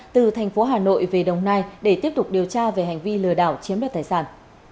từ thành phố hà nội về đồng nai để tiếp tục điều tra về hành vi lừa đảo chiếm đoạt tài sản